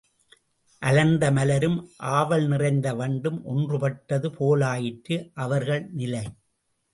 அலர்ந்த மலரும் ஆவல் நிறைந்த வண்டும் ஒன்றுபட்டது போலாயிற்று அவர்கள் நிலை.